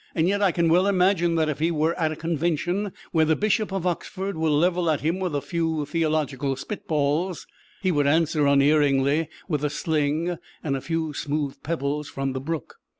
Yet I can well imagine that if he were at a convention where the Bishop of Oxford would level at him a few theological spitballs, he would answer, unerringly, with a sling and a few smooth pebbles from the brook.